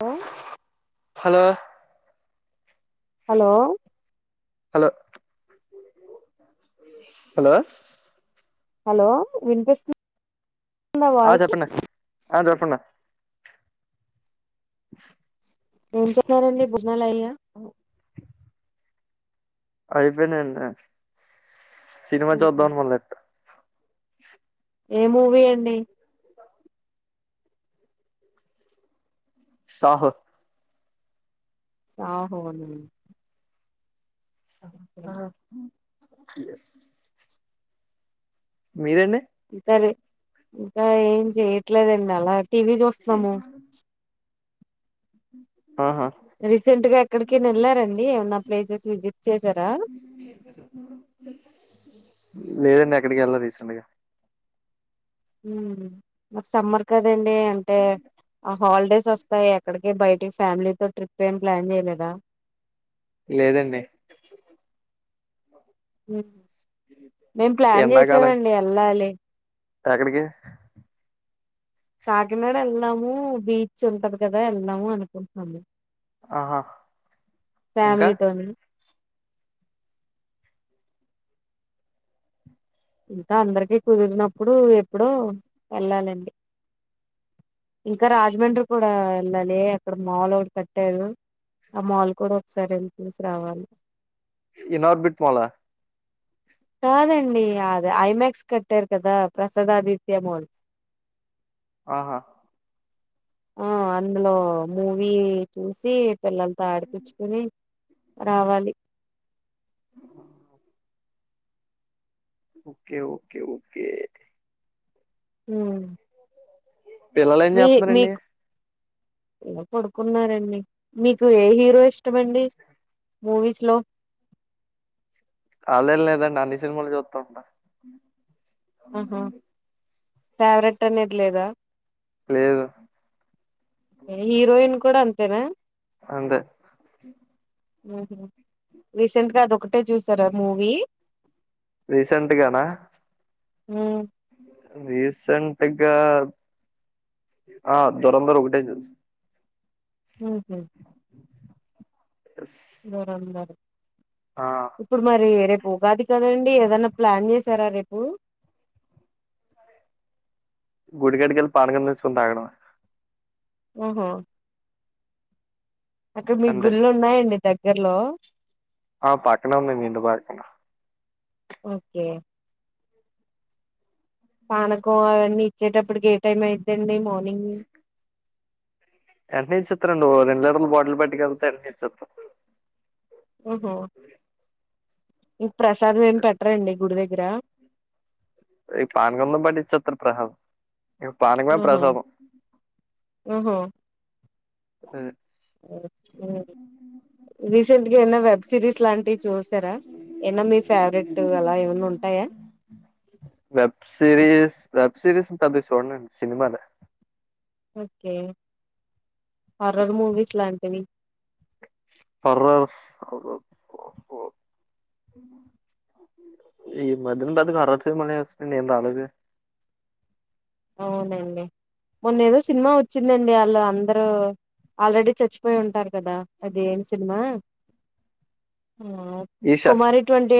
Hello hello hello hello hello hello వినిపిస్తు న ఆ వయిసు చెప్పండి ఆ చంపండి ఏం చెన్నారండి బోజనాలు అయ్యా అయిపోయిండి సినిమా చూద్దా మల్ ఏ మూవీ అండి సహ సాహో నా ఎస్ మీరేండి ఇ సరీ ఏం చేయ్యట్లేదండి చాలా టీవీ చూస్తున్నాము మ్ రీసెంట్గా ఎక్కడికిని వెళ్లారండి ఏమనా ప్లేసెస్ విజిట్ చేసారా లేదండి ఎక్కడికి వెళ్ళా రీసెంట్గా మ సమ్మర్ కధ దండి అంటే హా హాలిడేస్ వస్త ఎక్కడికి బయటికి ఫ్యామిలీ తో ట్రిప్ ఏం ప్లాన్ చేయలేదా లేదండి మ్ మేం ప్లాన్ ఎండాకాలం చేసామండి వెళ్ళాలి ఎక్కడికి కాకినాడ వెళ్ళాము బీచ్ ఉంటది కదా వెళ్దాము అనుకుంటుంది ఆహా ఇంకా ఫ్యామిలీతోని ఇంకా అందరికి కుదిరినప్పుడు ఎప్పుడో వెళ్ళాలండి ఇంకా రాజమండ్రి కూడా వెళ్ళాలి అక్కడ మాల్ ఒకటి కట్టారు ఆ మాల్ కూడా ఒకసారి వెళ్ళి చూసి రావాలి ఇ నర్బిట్ మాల కాదండి అదే ఐమక్స్ కట్టారు కదా ప్రసాదాదిత్య మాల్ ఆహా ఆ అందులో మూవీ చూసి పిల్లల్తో ఆడిపిచ్చుకొని రావాలి ఓకే ఓకే ఓకే మ్మ్ పిల్లలు ఏం చెత్నరండి ఎలా పడుకున్నారండి మీకు ఏ హీరో ఇష్ టమండి మూవీస్ లో ఆన్లైన్ లేదండి అన్ని సినిమాలు చూత్త ఉంట ఆహా అవునండి ఫేవరెట్ అనేది లేదా లేదు హీరోయిన్ కూడా అన్ తేనా అంతే ఉహు రీసెంట్ గా అదొకటే చూసార మూవీ ఉ రీసెంట్గా ఆ దురంధర్ ఒకటే చూస్ ఉహు చూసా దురంధర్ ఆ ఇప్పుడు మరి రే ఉగాది కదండి ఏదనా ప్లాన్ చేసారా రేపు గుడి కడుకలు పానకం తెచ్చుకొని తాగడమే ఓహో అక్కడ మీకు అంతే గుళ్ళు ఉన్నాయండి దగ్ గట్లో ఆ పక్కనే ఉంది ఇంటి పక్కన ఓకే పానకం అవన్నీ ఇచ్చేటప్పటికి ఏ టైం అయిదండి మార్నింగ్ ఎంటనే ఇచ్చేత్తారు ఓ రెండు లీటర్లు బాటిల్ పట్టుకెళ్తే వెంటనే ఇచ్చేత్తారు ఓహో ఓ ప్రసాదం ఏమి పెట్టరండి గుడి దగ్ గిరా ఈ పానకంలో పాటి ఇచ్చేత్తారు ప్రసాదం ఇ పానకమే ఆహా! ప్రసాదం రీసెంట్గా ఏన్న వెబ్ సిరీస్ లాంటివి చూసారా ఏన్న మీ ఫేవరెట్ అలా ఏమన్నా ఉంటాయా అది చూడనండి సినిమాలే ఓకే హర్రర్ మూవీస్ లాంటివి హర్రర్ ఈ మధ్యన హర్రర్ సినిమాలు ఏమొచ్చినాయి ఏం రాలే అవునండి మొన్న ఏదో సినిమా వచ్చిందండి ఆళ్ళ అందరు ఆల్రెడీ చచ్చిపోయి ఉంటారు కదా అది ఏమి సినిమా ఈషా కుమారి ట్వంటీ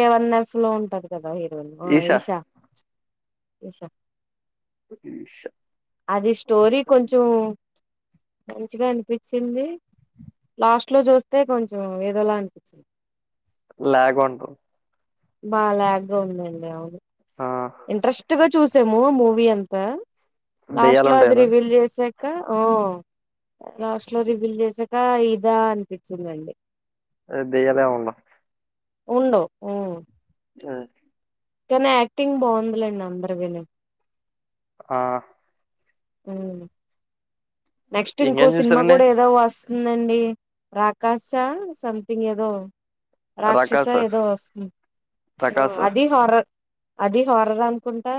ప్ లో ఉంటది. చద ఇరోజు ఆ ఈషా ఇషా ఈషా అది స్టోరి కొంచము మంచిగా అనిపించింది. లాస్ట్ లో చూస్తే కొంచెం ఏదోలా అనిపించింది. లాగ్ ఉంటు బా లాగ్గా ఉందండి అవును ఆ ఇంట్గ ట్ చూసాము మూవీ అంతా లాస్ట్ దెయ్యాలు లో అది ఉంటాయనా రివీల్ చేసా క ఊ లాస్ట్ లో రివ్యూ చేస ఇంకా ఇదా అనిపించిందండి. అదే దయ్యాలేం ఉండవ్ ఉండవ్ ఉ ఆ కానీ యాక్టింగ్ బాగుందలేండి అందరి వినే ఆ ఉమ్ నెక్స్ట్ ఇంకో ఇంకేం సినిమా చూసారండి కూడా ఏదో వస్ ఉందండి రాకస సంథింగ్ ఏదో రాక్షస రకాస ఏదో వస్తుంది రకాస అది హర అది హర్రర్ అనుకుంటా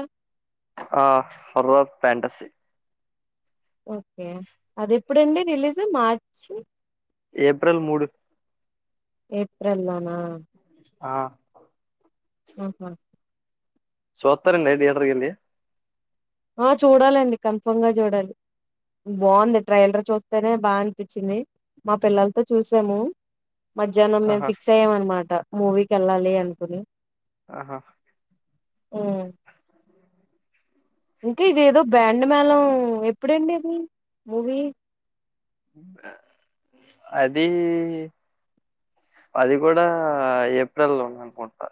ఆ రోక్ ప్యాంటసి ఓకే అది ఎప్పుడు అండి రిలీజ్ మార్చి ఏప్రిల్ మూడు ఏప్రల్లలో నా ఆ ఉహ సూత్తార అండి తియేటర్కి వెళ్లి ఆ చూడాలండి కన్ఫర్మ్ గా చూడాలి. బాగుంది ట్రైలర్ చూస్తేనే బాగా అనిపించింది. మా పిల్లలతో చూసాము. మధ్యాహ్నం మేము ఆహా ఫిక్స్ అయ్యామ అనమాట మూవీకి వెళ్ళాలి అనుకుని ఆహా ఊమ్ ఇంకా ఇదేదో బ్యాండ్ మేళం ఎప్పుడండి ఇది మూవీ అది అది కూడా ఏప్రిల్ లో అనుకుంటా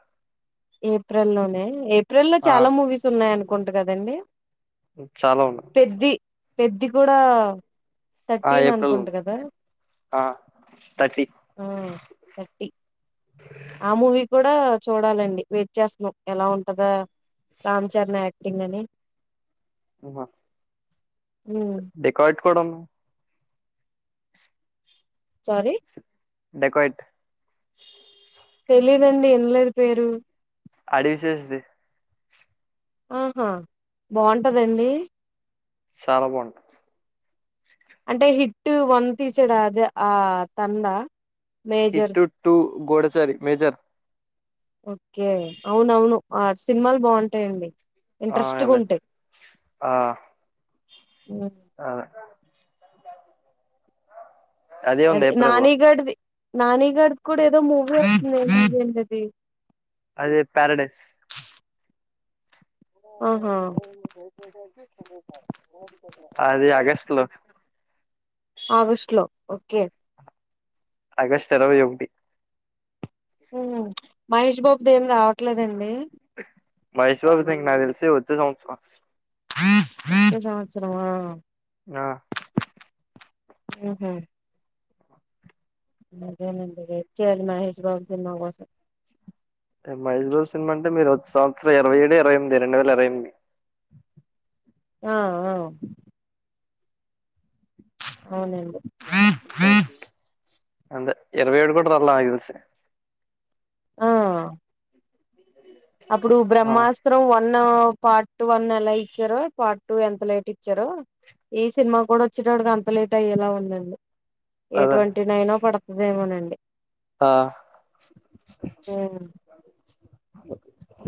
ఏప్రిల్ లోనే ఏ ప్రిల్లో ఆ చాలా మూవీస్ ఉన్నాయను కుంటు కదండి చాలా ఉన్నా పెద్ది పెద్ది కూడా ఆ థర్టీన్ ఏప్రిల్ అనుకుంట ఉంది కదా ఆ థర్టీ ఆ థర్టీ ఆ మూవీ కూడా చూడాలండి వెయిట్ చేస్తున్నాం ఎలా ఉంటందా రామ్ చరణ్ యాక్టింగ్ అని నువ్వా ఉ కొడను సారీ డెకయిట్ తెలిదండి ఇన్లేదు పేరు అడివి శేష్ది ఆహా బాగుంటదండి చాలా బాగుంటా అంటే హిట్ వన్ తీసాడు అది ఆ తందా hit two Goodachari Major okay అవునవును ఆ సినిమాలు బాగుంటాయండి ఆ ఇంట్రెస్ట్‌గా అదే ఉంటాయి. ఆ హ్మ్. అ ఉంది అదే ఏప్రిల్ లో నానిగఢది నాని గాడ్ది కూడా ఏదో మూవీ వస్తుంది ఏంటది అదే ప్యారడైస్ ఆహా అది అగస్ట్ లో ఆవష్ట్ లో ఓకే ఆగష్టు ఇరవై ఒక్కటి ఉ మహేష్ బాబు ద ఏం రావట్లేదండి మహష్ బాబుది నా తెలిసి వచ్చే సంవత్సరమ్ ఈ సంవత్సరమా ఆ ఉహు అదేనండి రిచ్వల్ మహేష్ బాబు సినిమా కోసం మహేష్ బాబు సినిమా అంటే మీరు వచ్చే సంవత్సరం ఇరవై ఏడు, ఇరవై ఎనిమిది, రెండు వేల ఇరవై ఎనిమిది. ఆ ఆ అవునండి అందే ఇరవై ఏడు కూడ రాలే నాక్ తెలిసి ఆ అప్పుడు ఆ బ్రహ్మాస్త్రం వ న్న పా టు వన్ ఎలా ఇచ్చారో పాట్ టూ ఎంత లేట్ ఇచ్చారు ఈ సినిమా కూడా వచ్చేటడుకి అంత లేట్ అయ్యేలా ఉందడి ఏ అదే ట్వంటీ నైన్ పడుతుదేమోనండి ఆ ఉమ్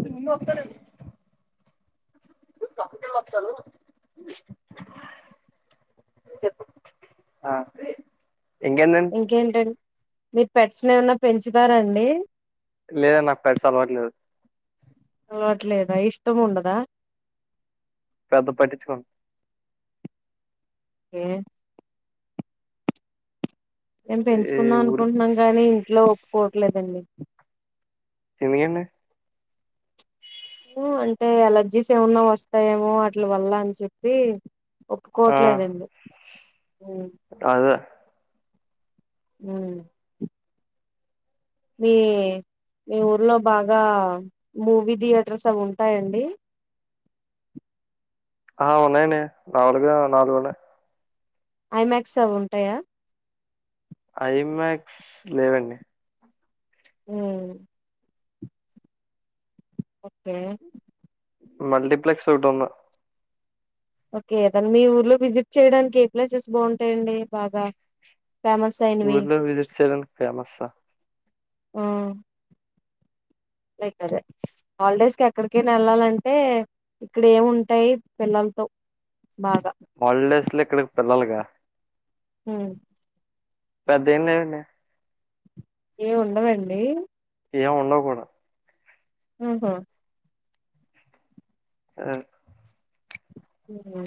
నిన్న వప్తార సంకేళ్ళు వత్తారు చప్పు ఆ ఇంకేంటం న్ మీ పెట్స్ ఏమన్నా పెంచుతారండి లేద నాకు పెడ్స్ అలవాట్లేదు చవట్లేదా ఇష్టం ఉండదా పెద్ద పట్టించుకోం ఏ మేం ఈ పెంచుకుందాం ఊరి అనుకుంటున్నాం గాని ఇంట్లో ఒప్పుకో పట్లేదండి ఎమికేంది అంటే అలర్జీస్ ఏమన్నా వస్తాయేమో అట్ల వల్ల అని చెప్పి ఆ ఒప్పుకోట్లేదండి అదే అ మీ మీ ఊర్లో బాగా మూవీ థియేటర్స్ అవి ఉంటాయండి ఆ ఉన్నాయండి మరావు తగ నాలుగు ఉన్నాయి ఐమాక్స్ అవి ఉంటాయా ఐమాక్స్ లేవండి హు ఓకె మల్టీప్లెక్స్ ఒకటఉన్న ఓకె మల్లి మీ ఊర్లో విజిట్ చేయడానికి ఏ ప్లేసెస్ బాగుంటాయండి బాగా ఫేమస్ అయినవి ఊర్లో విజిట్ చేయడానికి ఫేమస్సా ఆ లైక్ అదె హాలిడేస్ కి ఎక్కడికైన వెళ్లాలంటె ఇక్కడ ఏముంటాయి పిల్లలతో బాగ హాలిడేస్ లొ ఇక్కడికి పిల్లాల్ గా హు పెద్ద ఎంలేదండి ఏ ఉండదండి ఏం ఉండవు కూడా ఆహా ఆ ఉహు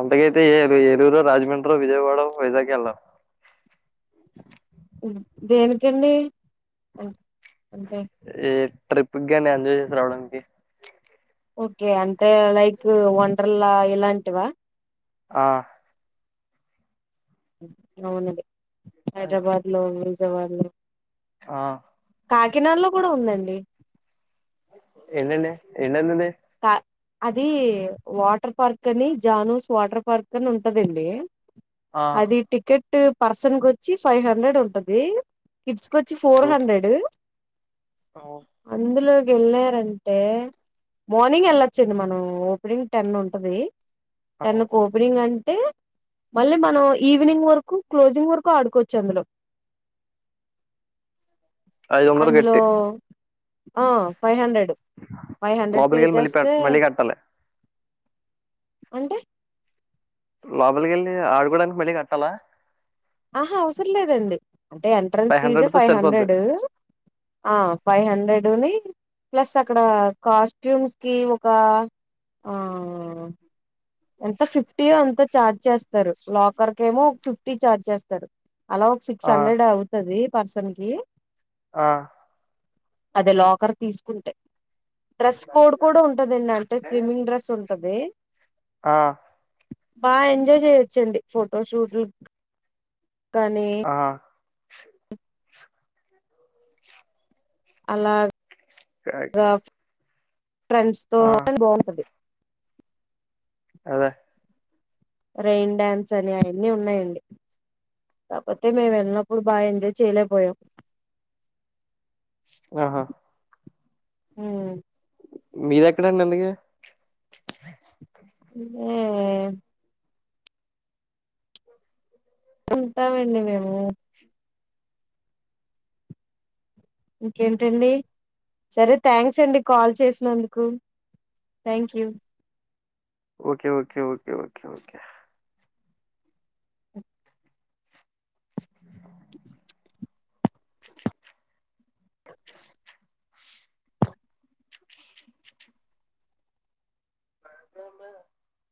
అంతగ ఐతే ఏ ఏలూరో, రాజమండ్రో, విజయవాడో, వైజాగొ ఎల్లా. దేనికండి అంటే ఏ ట్రిప్కి గాని ఎంజాయ్ చేసి రావడానికి ఓకె అంటె లైక్ వండర్లా ఇలాంటివా ఆ అవును దె హైదరాబాద్ లో మ్యూజ్ ఎవర్ లే ఆ కాకినాడలో కూడ ఉందండి ఎన్నండే ఎన్నండు ది కా అది వాటర్ పార్క్ అని జానూస్ వాటర్ పార్క్ అని ఉంటదండి. ఆ అది టికెట్ టూ పర్సన్ కొచ్చి ఫైవ్ హండ్రెడ్ ఉంటది కిడ్స్ కుచ్చి ఫోర్ హండ్రెడ్ అందులొ వెళ్ళారంటే మార్నింగ్ వెళ్లొచ్చండి మనం ఓపెనింగ్ టెన్ ఉంటది టెన్ కోపెనింగ్ అన్ టె మళ్ళి మనం ఈవినింగ్ వరకు క్లోజింగ్ వరకు ఆడుకోవచ్చు అందులొ ఐదు వందలు అందులో కట్టి ఆ five hundred five hundred pay లోబలికి వెళ్లి మళ్ళి పె చేస్తే మళ్ళికట్టాలి అంటే లోపలికెళ్ళి ఆడుకోడానికి మళ్ళీ కట్టాల ఆహా అవసరం లేదండి అంటే ఎంట్రన్స్ ఫీజే హండ్రెడ్ తో ఫైవ్ సరిపోద్ది హండ్రెడ్ ఆ ఫైవ్ హండ్రెడ్ ని ప్లస్ అక్కడ కాస్ట్యూమ్స్ కి ఒక ఆ ఎంత ఫిఫ్టీ ఓ ఎంతో ఛార్జ్ చేస్తారు లాకర్ కు ఏమో ఫిఫ్టీ ఛార్జ్ చేస్తారు అలా ఒక సిక్స్ ఆ హండ్రెడ్ అవుతది పర్సన్ కి ఆ అది లాకర్ తీసుకుంటే డ్రెస్ కోడ్ కూడా ఉంటుదండి అంటే స్విమ్మింగ్ డ్రస్ ఉం కదే ఆ బాగా ఎంజాయ్ చేయొచ్చండి ఫోటోషూట్లు క్ కానీ అలా గ్ థ్యాంక్యూ ఫ్రెండ్స్ తో కాని బాగుంటది అదే రైన్ డ్యాన్స్ అని అయన్నీ ఉన్నాయండి, కాపోతే మేము వెళ్ళినప్పుడు బాగా ఎంజాయ్ చేయలేకపోయాం. ఆహా హ్మ్ మీరేక్కడండి ఇంతకీ లేవే ఉంటామండి మేము ఇంకేంటండి సరే థ్యాంక్స్ అండి కాల్ చేసినందుకు thank you. Okay okay okay okay okay [unintelligible]